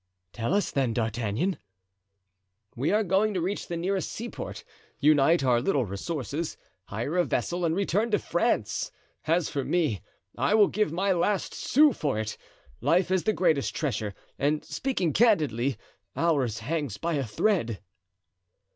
"Tell us, then, D'Artagnan." "We are going to reach the nearest seaport, unite our little resources, hire a vessel and return to France. As for me I will give my last sou for it. Life is the greatest treasure, and speaking candidly, ours hangs by a thread."